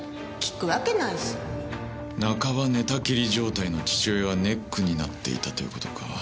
半ば寝たきり状態の父親がネックになっていたという事か。